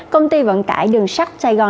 công ty vận tải đường sắp sài gòn